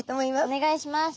お願いします。